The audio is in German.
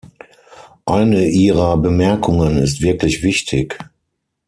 Eine Ihrer Bemerkungen ist wirklich wichtig.